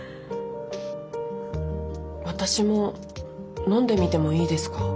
私も飲んでみてもいいですか？